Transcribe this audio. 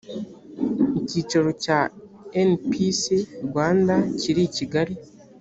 ikicaro cya npc rwanda kiri i kigali